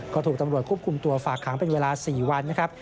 ก็ถูกตำรวจควบคุมตัวฝากขังเป็นเวลา๔วันนะครับ